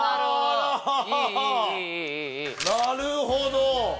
なるほど！